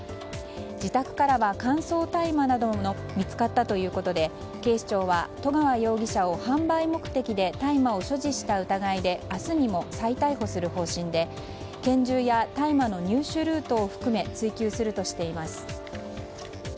自宅からは乾燥大麻なども見つかったということで警視庁は十川容疑者を販売目的で大麻を所持した疑いで明日にも再逮捕する方針で拳銃や大麻の入手ルートを含め追及するとしています。